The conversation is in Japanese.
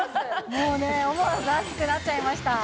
もうね、思わず熱くなっちゃいました。